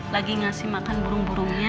lagi ngasih makan burung burungnya